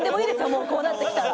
もうこうなってきたら。